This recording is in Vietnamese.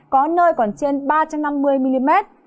có nơi còn trên ba trăm năm mươi mm